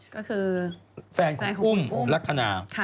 ก็คือแฟนของอุ้มลักษณะ